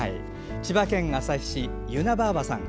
千葉県旭市、ゆなばぁばさん。